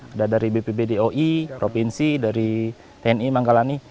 ada dari bpbd oi provinsi dari tni manggalani